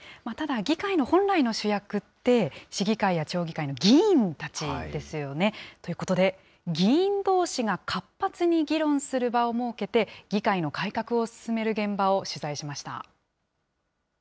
ただ、議会の本来の主役って、市議会や町議会の議員たちですよね。ということで、議員どうしが活発に議論する場を設けて、議会の改革を進める現場を取材しました。